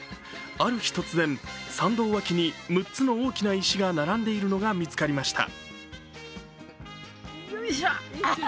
ある日突然、参道脇に６つの大きな石が並んでいるのが見つかりました。